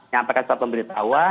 yang pakai surat pemberitahuan